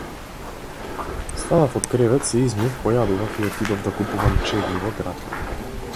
Станав од кревет, се измив, појадував и отидов да купувам чевли во град.